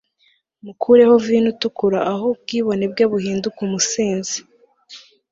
Mukureho vino itukura aho ubwibone bwe buhinduka umusinzi